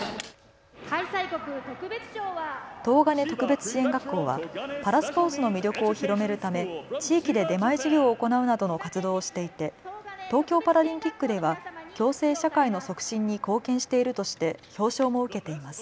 東金特別支援学校はパラスポーツの魅力を広めるため地域で出前授業を行うなどの活動をしていて東京パラリンピックでは共生社会の促進に貢献しているとして表彰も受けています。